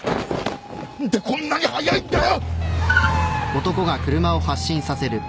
何でこんなに早いんだよ！